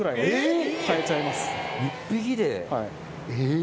え⁉